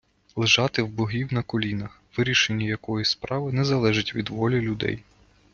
Лежати в богів на колінах - вирішення якоїсь справи не залежить від волі людей